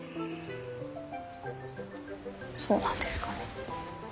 そうなんですかね。